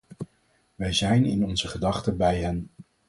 Wij zijn in onze gedachten bij hen.